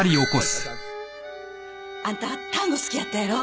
あんたタンゴ好きやったやろ？